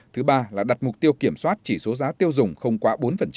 thứ ba là đặt mục tiêu kiểm soát chỉ số giá tiêu dùng không quá bốn